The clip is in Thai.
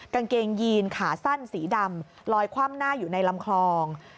กางเกงยีนขาสั้นสีดำลอยคว่ำหน้าอยู่ในลำคลอง